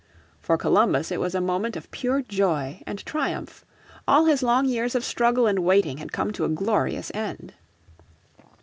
For Columbus it was a moment of pure joy and triumph. All his long years of struggle and waiting had come to a glorious end.